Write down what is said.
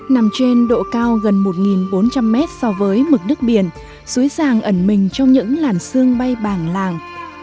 nằm trên độ cao gần một bốn trăm linh mét so với mực đất biển suối sàng ẩn mình trong những làn sương bay bảng làng